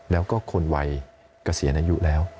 แล้วก็คนวัยเกษียณอายุแล้ว